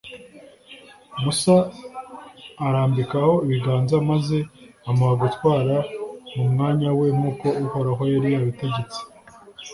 musa amurambikaho ibiganza, maze amuha gutwara mu mwanya we nk’uko uhoraho yari yabitegetse.